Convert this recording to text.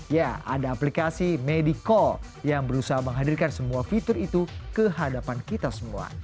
ya ada aplikasi medical yang berusaha menghadirkan semua fitur itu ke hadapan kita semua